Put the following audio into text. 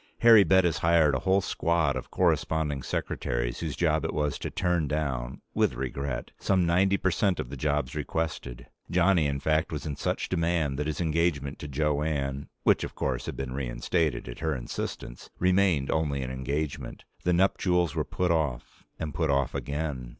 Harry Bettis hired a whole squad of corresponding secretaries, whose job it was to turn down, with regret, some ninety percent of the jobs requested. Johnny, in fact, was in such demand, that his engagement to Jo Anne which, of course, had been reinstated at her insistence remained only an engagement. The nuptials were put off, and put off again.